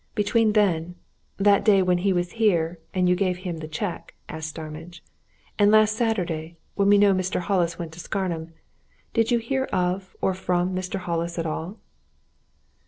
"Between then that day when he was here and you gave him the cheque," asked Starmidge, "and last Saturday, when we know Mr. Hollis went to Scarnham, did you hear of or from Mr. Hollis at all?"